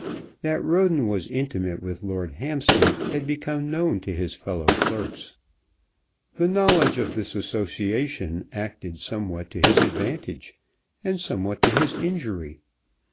That Roden was intimate with Lord Hampstead had become known to his fellow clerks. The knowledge of this association acted somewhat to his advantage and somewhat to his injury.